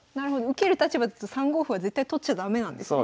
受ける立場だと３五歩は絶対取っちゃ駄目なんですね。